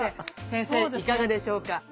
先生いかがでしょうか？